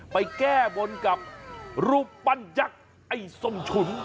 ไปแก้บนกับรูปปั้นยักษ์ไอ้ส้มฉุน